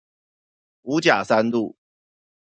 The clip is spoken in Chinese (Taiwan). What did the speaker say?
五甲三路